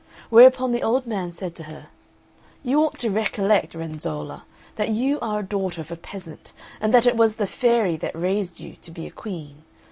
Whereupon the old man said to her, "You ought to recollect, Renzolla, that you are a daughter of a peasant and that it was the fairy that raised you to be a queen.